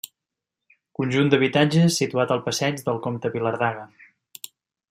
Conjunt d'habitatges situat al Passeig del Compte Vilardaga.